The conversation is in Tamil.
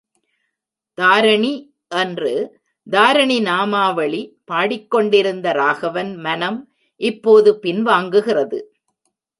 தாரிணி! என்று தாரிணி நாமாவளி பாடிக்கொண்டிருந்த ராகவன் மனம் இப்போது பின் வாங்குகிறது.